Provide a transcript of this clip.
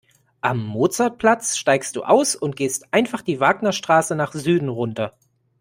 Am Mozartplatz steigst du aus und gehst einfach die Wagnerstraße nach Süden runter.